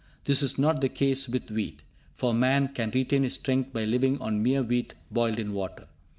This is not the case with wheat, for man can retain his strength by living on mere wheat boiled in water.